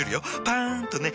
パン！とね。